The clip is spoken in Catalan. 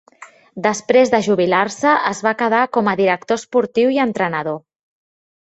Després de jubilar-se es va quedar com a director esportiu i entrenador.